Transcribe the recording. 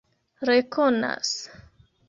rekonas